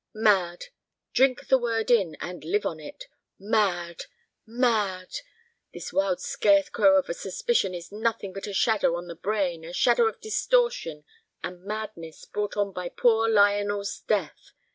Mad! Drink the word in, and live on it. Mad—mad! This wild scarecrow of a suspicion is nothing but a shadow on the brain, a shadow of distortion and madness brought on by poor Lionel's death.